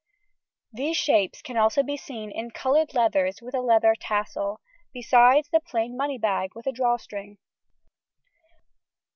These shapes can also be seen in coloured leathers with a leather tassel, besides the plain money bag with a draw string.